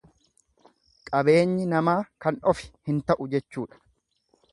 Qabeenyi namaa kan ofi hin ta'u jechuudha.